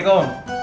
sampai jumpa lagi